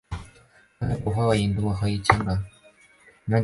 他被捕后被引渡回香港。